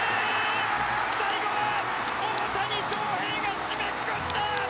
最後は大谷翔平が締めくくった！